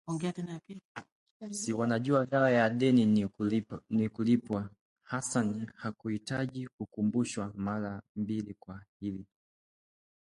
si wajua dawa ya deni ni kulipwa?” Hassan hakuhitaji kukumbushwa mara mbili kwa hili